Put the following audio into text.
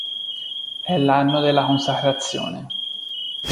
È l'anno della consacrazione.